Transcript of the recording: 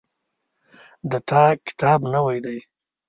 د تا کتاب نوی ده